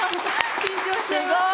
緊張しちゃいました。